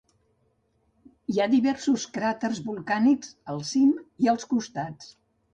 Hi ha diversos cràters volcànics al cim i als costats.